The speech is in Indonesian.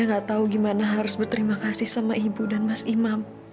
saya nggak tahu gimana harus berterima kasih sama ibu dan mas imam